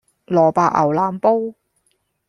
蘿蔔牛腩煲